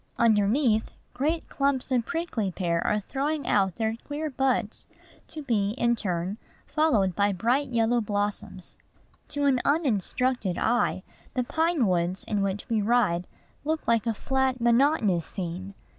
Underneath, great clumps of prickly pear are throwing out their queer buds, to be, in turn, followed by bright yellow blossoms. To an uninstructed eye, the pine woods in which we ride look like a flat, monotonous scene.